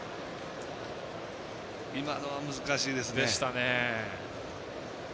今のは難しいですね。